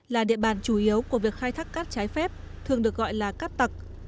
là địa bàn chủ yếu của việc khai thác cát trái phép thường được gọi là cát tặc